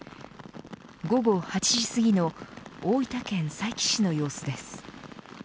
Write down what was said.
午後８時すぎの大分県佐伯市の様子です。